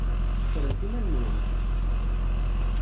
Ffremt iman-nwent!